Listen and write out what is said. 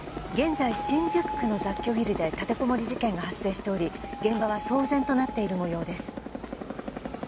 現在新宿区の雑居ビルで立てこもり事件が発生しており現場は騒然となっているもようです